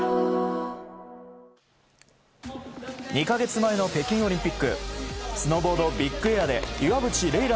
２か月前の北京オリンピックスノーボード・ビッグエアで岩渕麗